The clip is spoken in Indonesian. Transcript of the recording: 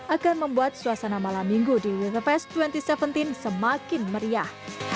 akan membuat suasana malam minggu di with the fest dua ribu tujuh belas semakin meriah